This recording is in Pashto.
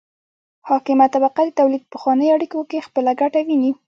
حاکمه طبقه د تولید په پخوانیو اړیکو کې خپله ګټه ویني.